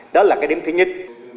đó là cái điểm thứ nhất